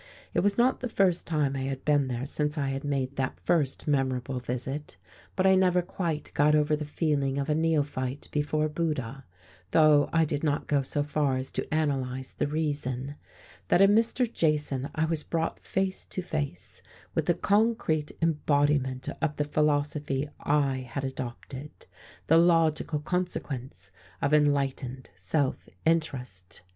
It was not the first time I had been there since I had made that first memorable visit, but I never quite got over the feeling of a neophyte before Buddha, though I did not go so far as to analyze the reason, that in Mr. Jason I was brought face to face with the concrete embodiment of the philosophy I had adopted, the logical consequence of enlightened self interest.